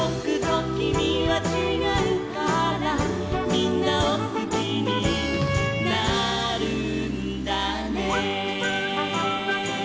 「みんなをすきになるんだね」